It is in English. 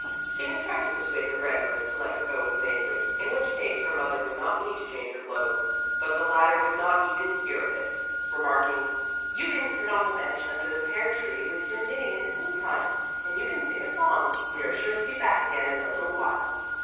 She had tried to persuade her grandmother to let her go with Mäzli, in which case her mother would not need to change her clothes, But the latter would not even hear of it, remarking, "You can sit on the bench under the pear tree with your knitting in the meantime, and you can sing a song. We are sure to be back again in a little while."